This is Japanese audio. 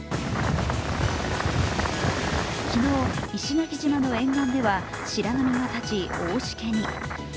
昨日、石垣島の沿岸では白波が立ち、大しけに。